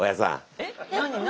えっ何？